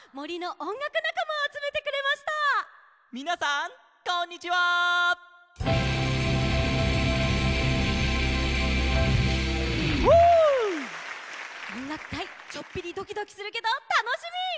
おんがくかいちょっぴりドキドキするけどたのしみ！